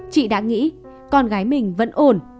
chị đã nghĩ con gái mình vẫn ổn